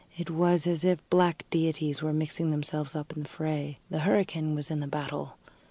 It was as if black deities were mixing themselves up in the fray. The hurricane was in the battle.